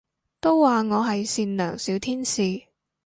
都話我係善良小天使